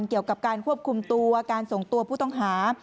เกี่ยวกับการควบคุมตัวการส่งตัวผู้ต้องหา